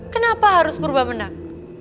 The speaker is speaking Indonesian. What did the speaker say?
kenapa harus prwamunak